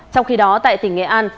trong khi đó tại tỉnh nghệ an